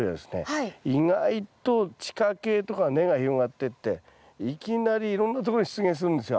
意外と地下茎とか根が広がってっていきなりいろんなとこに出現するんですよ。